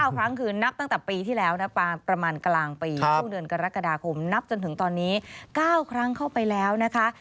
๙ครั้งคือนับตั้งแต่ปีที่แล้วนะประมาณกลางปีช่วงเดือนกรกฎาคมนับจนถึงตอนนี้๙ครั้งเข้าไปแล้วนะคะ